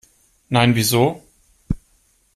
Nein, wieso?